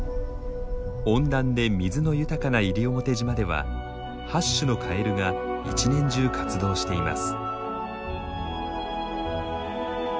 温暖で水の豊かな西表島では８種のカエルが一年中活動しています。